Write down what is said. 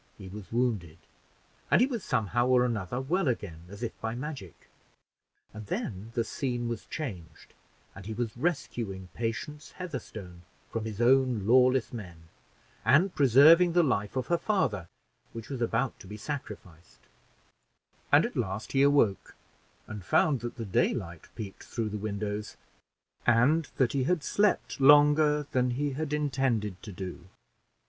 He was wounded, and he was somehow or other well again, as if by magic; and then the scene was changed, and he was rescuing Patience Heatherstone from his own lawless men, and preserving the life of her father, which was about to be sacrificed; and at last he awoke, and found that the daylight peeped through the windows, and that he had slept longer than he intended to do.